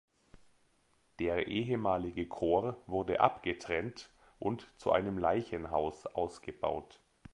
Der ehemalige Chor wurde abgetrennt und zu einem Leichenhaus ausgebaut.